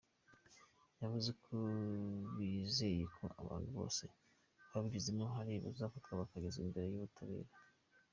Yavuze ko bizeye ko abantu bose babigizemo uruhare bazafatwa bakagezwa imbere y’ubutabera.